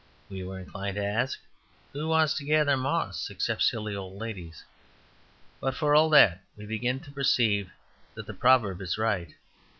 We were inclined to ask, "Who wants to gather moss, except silly old ladies?" But for all that we begin to perceive that the proverb is right.